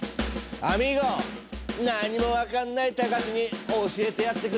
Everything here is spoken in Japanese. アミーゴ何も分かんない隆に教えてやってくれない？